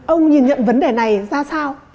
ông nhìn nhận vấn đề này ra sao